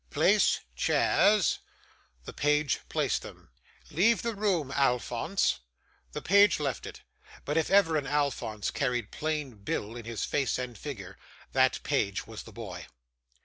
'Place chairs.' The page placed them. 'Leave the room, Alphonse.' The page left it; but if ever an Alphonse carried plain Bill in his face and figure, that page was the boy.